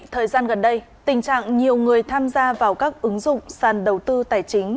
thời gian gần đây tình trạng nhiều người tham gia vào các ứng dụng sàn đầu tư tài chính